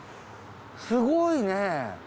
すごいね。